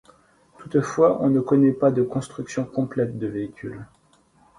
Toutefois, on ne connait pas de construction complète de véhicules.